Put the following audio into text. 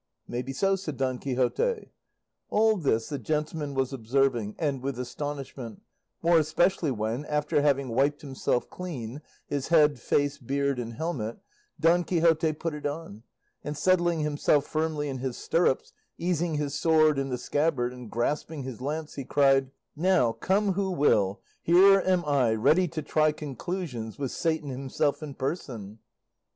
"May be so," said Don Quixote. All this the gentleman was observing, and with astonishment, more especially when, after having wiped himself clean, his head, face, beard, and helmet, Don Quixote put it on, and settling himself firmly in his stirrups, easing his sword in the scabbard, and grasping his lance, he cried, "Now, come who will, here am I, ready to try conclusions with Satan himself in person!"